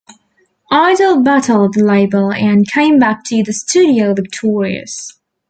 Idol battled the label, and came back to the studio victorious.